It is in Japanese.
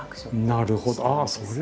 なるほど。